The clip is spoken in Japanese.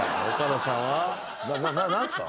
な何すか？